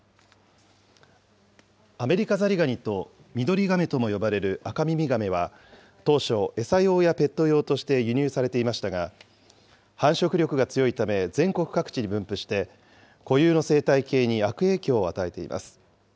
アメリカザリガニとミドリガメとも呼ばれるアカミミガメは、当初、餌用やペット用として輸入されていましたが、繁殖力が強いため、全国各地に分布して、固有の生態系に悪影響を与えています。